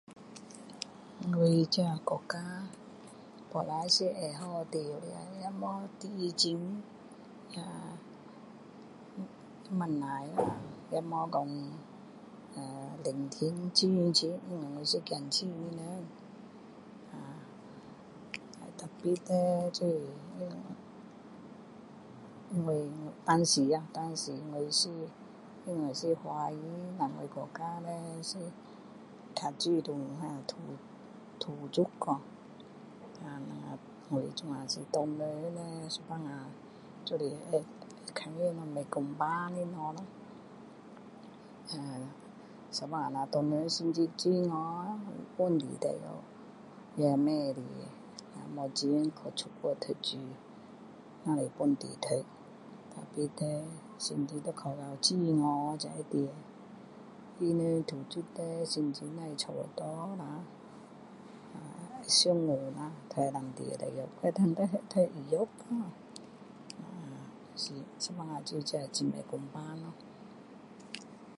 我这个国家本来是会好住也没有地震那个都不错啦也没有说呃冷天我是怕冷的人啊tapi 叻就是因为但是我是因为是华人然后我的国家是比较注重那个土著我这样是华人了有时后就是会看见到不会公平的东西咯有时候是华人很好本地大学也不好没有钱出国读书只能本地读tapi 叻成绩要考到很好才能进他们土著叻成绩只要差不多及格啦就能进也能读医学呀有时候是怎样很不公平咯